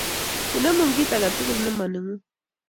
Inemu kit age tugul ne manengung